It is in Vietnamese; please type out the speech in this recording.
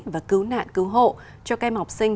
và cứu nạn cứu hộ cho kem học sinh